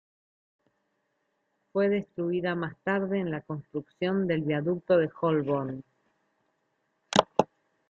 Fue destruida más tarde en la construcción del viaducto de Holborn.